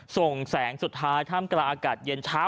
ส่งแสงสุดท้ายท่ามกลางอากาศเย็นเช้า